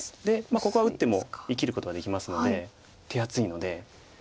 でここは打っても生きることはできますので手厚いので。